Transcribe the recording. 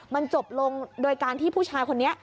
มันจบลงโดยการที่ผู้ชายคนนี้